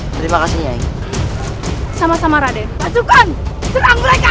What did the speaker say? terima kasih sama sama raden masukkan serang mereka